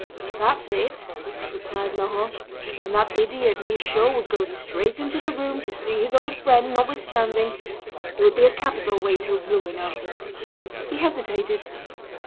"That's it," replied Laurent, "and that idiot Michaud would go straight into the room to see his old friend, notwithstanding. It would be a capital way to ruin us." He hesitated.